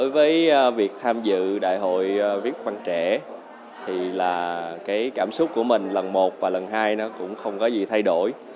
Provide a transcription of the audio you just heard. với việc tham dự đại hội viết văn trẻ thì là cái cảm xúc của mình lần một và lần hai nó cũng không có gì thay đổi